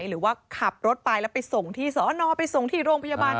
หรือว่าขับรถไปแล้วไปส่งที่สอนอไปส่งที่โรงพยาบาล